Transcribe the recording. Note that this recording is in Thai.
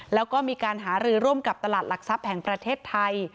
แล้วก็มีการหารือร่วมกับตลาดหลักทรัพย์แห่งประเทศไทย